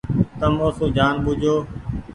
تم او سون جآن ٻوجوُ ۔